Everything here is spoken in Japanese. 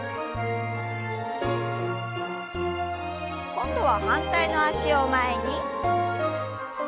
今度は反対の脚を前に。